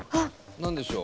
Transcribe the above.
何でしょう？